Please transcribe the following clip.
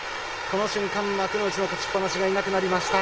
この瞬間、幕内の勝ちっ放しがいなくなりました。